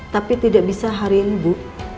tapi tidak bisa hari ini bu